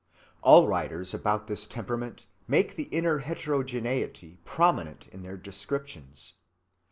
All writers about that temperament make the inner heterogeneity prominent in their descriptions.